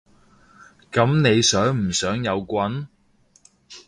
噉你想唔想有棍？